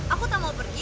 aku tak mau pergi